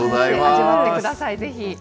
味わってください、ぜひ。